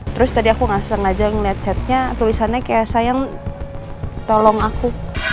terus tadi aku gak sengaja ngeliat chatnya tulisannya kayak sayang tolong aku